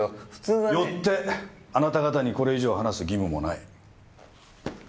よってあなた方にこれ以上話す義務もない。